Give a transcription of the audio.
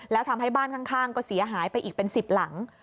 แล้วทำให้บ้านข้างก็เสียหายไปอีกเป็น๑๐หลัง